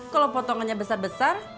kalau potongannya besar besar